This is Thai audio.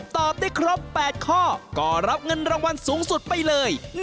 ตอบได้ครบ๘ข้อก็รับเงินรางวัลสูงสุดไปเลย